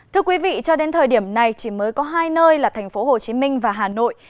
thưa quý vị cho đến thời điểm này chỉ mới có hai nơi là thành phố hồ chí minh và hà nội